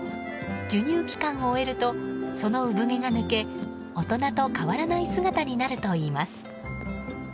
授乳期間を終えるとその産毛が抜け大人と変わらない姿になるといいます。